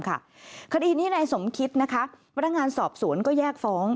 คดีนี้นายสมคิดนะคะพนักงานสอบสวนก็แยกฟ้อง